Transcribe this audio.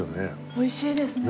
美味しいですね。